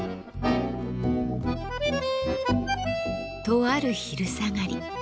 とある昼下がり。